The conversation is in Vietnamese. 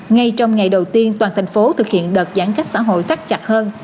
ngay trong ngày đầu tiên toàn thành phố thực hiện đợt giãn cách xã hội tắt chặt hơn